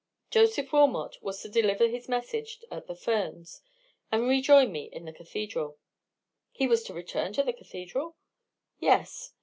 Joseph Wilmot was to deliver his message at the Ferns, and rejoin me in the cathedral." "He was to return to the cathedral?" "Yes."